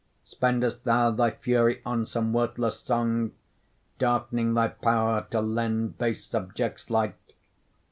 Spend'st thou thy fury on some worthless song, Darkening thy power to lend base subjects light?